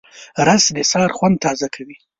رس د سهار خوند تازه کوي